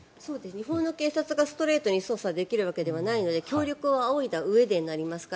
日本の警察がストレートに捜査できるわけではないので協力を仰いだうえでになりますから。